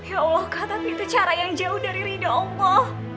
ya allah kaka tapi itu cara yang jauh dari rina allah